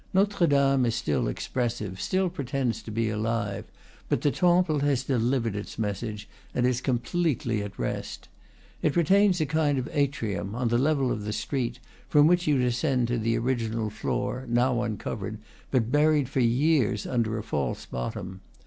Notre Dame is still ex pressive, still pretends to be alive; but the Temple has delivered its message, and is completely at rest. It retains a kind of atrium, on the level of the street, from which you descend to the original floor, now un covered, but buried for years under a false bottom.